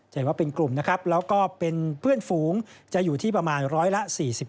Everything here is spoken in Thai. เห็นว่าเป็นกลุ่มนะครับแล้วก็เป็นเพื่อนฝูงจะอยู่ที่ประมาณร้อยละ๔๕